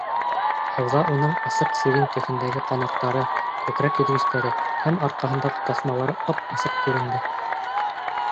Һыуҙа уның асыҡ сирень төҫөндәге ҡанаттары, күкрәк йөҙгөстәре һәм арҡаһындағы таҫмалары ап-асыҡ күренде.